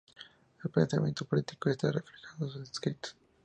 Su pensamiento político está reflejado en sus escritos.